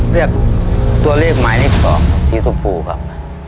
เลือกตัวเลือกหมายได้ของสีชมพูครับ